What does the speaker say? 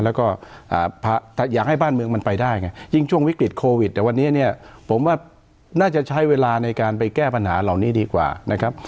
แล้วก็อยากให้บ้านเมืองมันไปได้ไงยิ่งช่วงวิกฤตโควิดแต่วันนี้เนี่ยผมว่าน่าจะใช้เวลาในการไปแก้ปัญหาเหล่านี้ดีกว่านะครับ